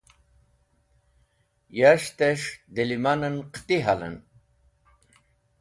Yashtẽs̃h dẽ lẽmanẽn qẽti halẽn.